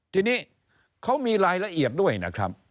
ทีนี้เขามีรายละเอียดด้วยนะครับ